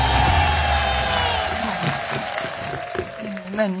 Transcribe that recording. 何？